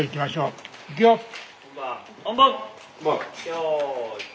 よい。